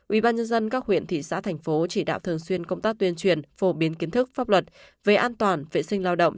ubnd các huyện thị xã thành phố chỉ đạo thường xuyên công tác tuyên truyền phổ biến kiến thức pháp luật về an toàn vệ sinh lao động